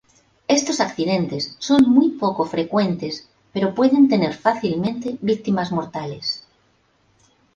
Estos accidentes son muy poco frecuentes, pero pueden tener fácilmente víctimas mortales.